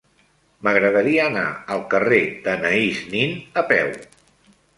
M'agradaria anar al carrer d'Anaïs Nin a peu.